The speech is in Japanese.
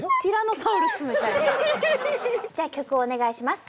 じゃあ曲お願いします。